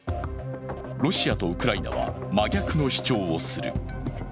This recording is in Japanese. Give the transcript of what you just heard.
ロシアとウクライナは真逆の主張をする。